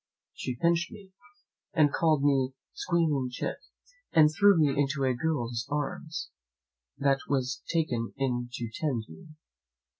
She pinched me, and called me squealing chit, and threw me into a girl's arms that was taken in to tend me.